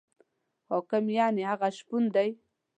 حاکم یعنې هغه شپون دی.